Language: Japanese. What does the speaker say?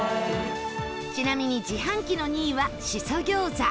ちなみに自販機の２位はしそ餃子